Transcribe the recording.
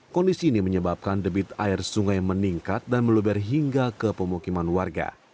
kondisi ini menyebabkan debit air sungai meningkat dan meluber hingga ke pemukiman warga